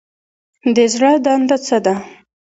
د زړه دنده څه ده؟